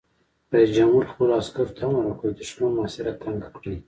رئیس جمهور خپلو عسکرو ته امر وکړ؛ د دښمن محاصره تنګه کړئ!